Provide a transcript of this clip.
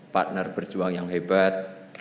partner berjuang yang hebat